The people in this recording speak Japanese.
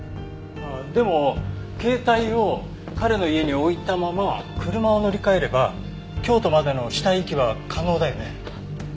ああでも携帯を彼の家に置いたまま車を乗り換えれば京都までの死体遺棄は可能だよね？